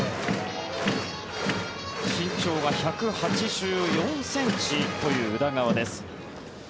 身長が１８４ｃｍという宇田川です。